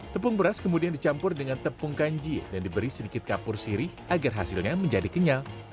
tepung beras kemudian dicampur dengan tepung kanji dan diberi sedikit kapur sirih agar hasilnya menjadi kenyal